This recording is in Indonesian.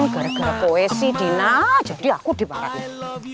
gara gara poesi dina jadi aku dibarang